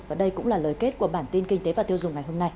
và đây cũng là lời kết của bản tin kinh tế và tiêu dùng ngày hôm nay